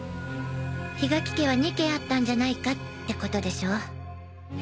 檜垣家は２軒あったんじゃないかってことでしょう？